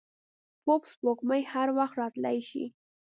پوپ سپوږمۍ هر وخت راتلای شي.